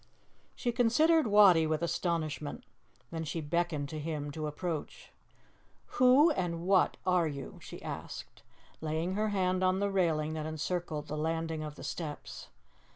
She considered Wattie with astonishment. Then she beckoned to him to approach. "Who and what are you?" she asked, laying her hand on the railing that encircled the landing of the steps.